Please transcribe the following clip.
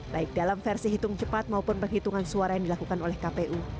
baik dalam versi hitung cepat maupun penghitungan suara yang dilakukan oleh kpu